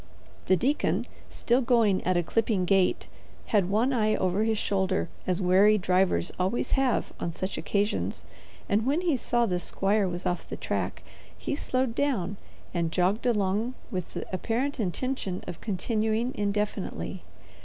The deacon, still going at a clipping gait, had one eye over his shoulder as wary drivers always have on such occasions, and when he saw the squire was off the track he slowed down and jogged along with the apparent intention of continuing indefinitely.